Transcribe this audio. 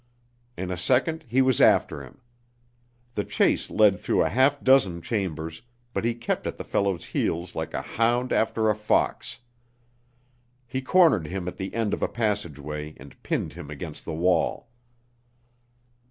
In a second he was after him. The chase led through a half dozen chambers, but he kept at the fellow's heels like a hound after a fox. He cornered him at the end of a passageway and pinned him against the wall.